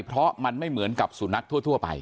เพราะมันไม่เหมือนกับสุนัขทั่วไป